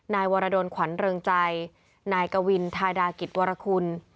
นายวรดลขวัญเริงใจนายกวินทาดากิจวรคุณ